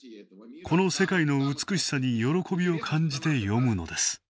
この世界の美しさに喜びを感じて詠むのです。